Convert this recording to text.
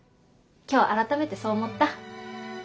今日改めてそう思った。